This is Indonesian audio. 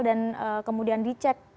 dan kemudian dicek